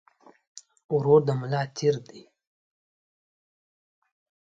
ورور د ملا تير دي